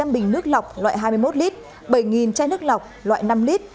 một trăm linh bình nước lọc loại hai mươi một lít bảy chai nước lọc loại năm lít